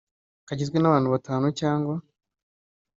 kagizwe n abantu batanu cyangwa